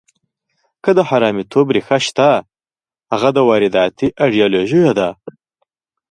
که د حرامیتوب ریښه شته، هغه د وارداتي ایډیالوژیو ده.